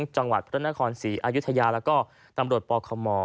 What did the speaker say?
จังหวัดพระนครศรีอายุทยาแล้วก็ตำรวจปคม